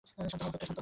শান্ত হও, সত্য!